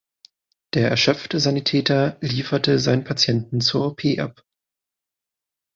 Der erschöpfte Sanitäter lieferte seinen Patienten zur OP ab.